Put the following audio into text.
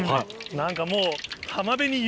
何かもう。